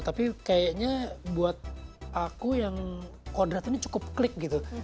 tapi kayaknya buat aku yang kodrat ini cukup klik gitu